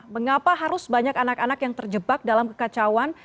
mengapa harus banyak anak anak yang terjebak dalam kekacauan